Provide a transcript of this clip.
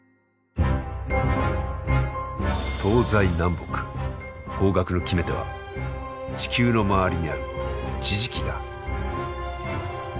東西南北方角の決め手は地球の周りにある「地磁気」だ。